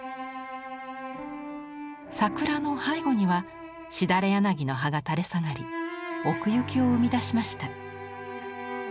桜の背後にはしだれ柳の葉が垂れ下がり奥行きを生み出しました。